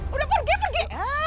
udah pergi pergi